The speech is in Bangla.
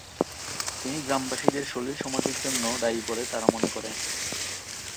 তিনি গ্রামবাসীদের সলিল সমাধির জন্য দায়ী বলে তারা মনে করে।